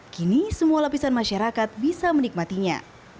kini semua lapisan masyarakat bisa menikmatinya